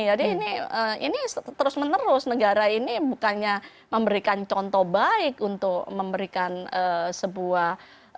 jadi ini terus menerus negara ini bukannya memberikan contoh baik untuk memberikan sebuah